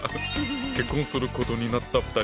結婚することになった２人。